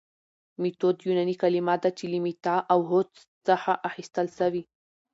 ميتود يوناني کلمه ده چي له ميتا او هودس څخه اخستل سوي